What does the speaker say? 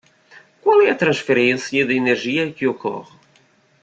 Qual é a transferência de energia que ocorre?